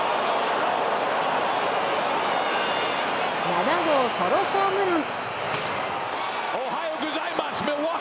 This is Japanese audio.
７号ソロホームラン。